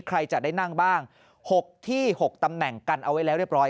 ใครจะได้นั่งบ้าง๖ที่๖ตำแหน่งกันเอาไว้แล้วเรียบร้อย